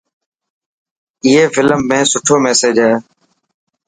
اي فلم ۾ سٺو ميسج هي.